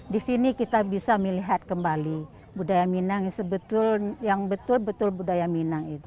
di sini kita bisa melihat kembali budaya minang yang betul betul budaya minang itu